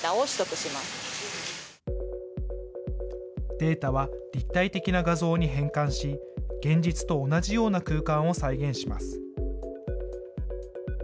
データは立体的な画像に変換し、現実と同じような空間を再現します。